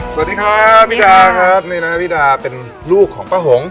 สวัสดีครับนี่นะพี่ดาเป็นลูกของป้าหงษ์